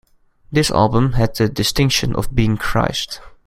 This album had the distinction of being Christ.